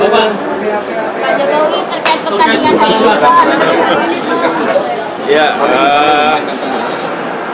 pak jokowi terkait kepentingan